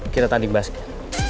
kita tanding basket